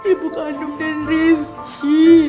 ibu kandung den rizky